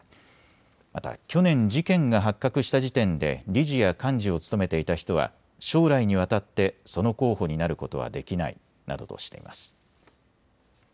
また去年、事件が発覚した時点で理事や監事を務めていた人は将来にわたってその候補になることはできないなどとしています。